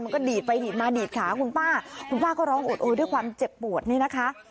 มันก็ดีดไปดีดมาดีดขาคุณป้าคุณป้าก็ร้องโอดโอยด้วยความเจ็บปวดนี่นะคะ